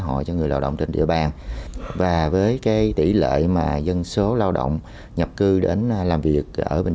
hội cho người lao động trên địa bàn và với cái tỷ lệ mà dân số lao động nhập cư đến làm việc ở bình